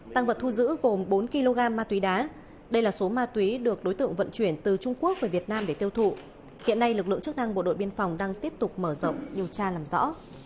tăng vật thu giữ gồm bốn kg ma túy đá đây là số ma túy được đối tượng vận chuyển từ trung quốc về việt nam để tiêu thụ hiện nay lực lượng chức năng bộ đội biên phòng đang tiếp tục mở rộng điều tra làm rõ